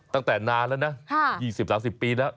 ตั้งแต่นานแล้วนะ๒๐๓๐ปีแล้ว